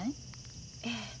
ええ。